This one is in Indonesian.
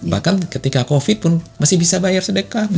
bahkan ketika covid pun masih bisa bayar sedekah